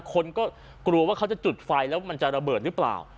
คนก็กลัวว่าเขาจะจุดไฟแล้วมันจะระเบิดหรือเปล่า